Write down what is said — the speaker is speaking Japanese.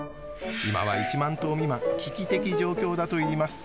今は１万頭未満危機的状況だといいます。